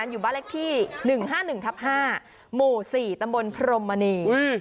อยู่บ้านเล็กที่หนึ่งห้าหนึ่งทับห้าหมู่สี่ตำบลพรมมณีอุ้ย